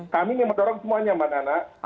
kami memang dorong semuanya mbak nana